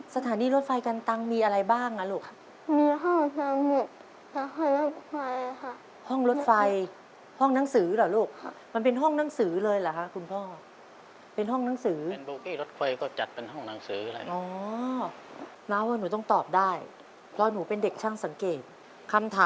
สถานีรถไฟกันตังค์มีอะไรบ้างค่ะลูก